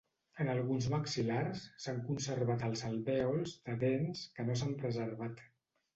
En alguns maxil·lars s'han conservat els alvèols de dents que no s'han preservat.